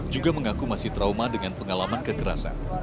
juga mengaku masih trauma dengan pengalaman kekerasan